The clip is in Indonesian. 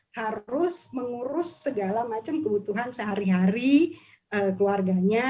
harus mengurus segala macam kebutuhan sehari hari keluarganya